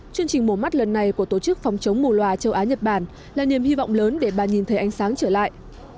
chương trình mổ mắt lần này của tổ chức phòng chống mù loà châu á nhật bản là niềm hy vọng lớn để bà nhìn thấy ánh sáng trở lại